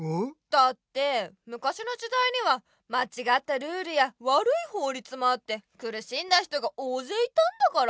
だってむかしの時だいにはまちがったルールやわるいほうりつもあってくるしんだ人が大ぜいいたんだから！